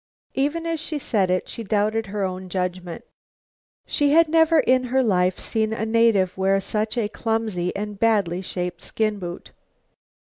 Even as she said it, she doubted her own judgment. She had never in her life seen a native wear such a clumsy and badly shaped skin boot.